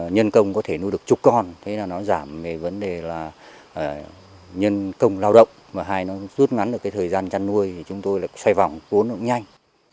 nhân công có thể nuôi được chục con thế là nó giảm về vấn đề là nhân công lao động hay nó rút ngắn được thời gian chăn nuôi thì chúng tôi xoay vòng cuốn cũng nhanh